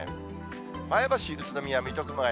前橋、宇都宮、水戸、熊谷。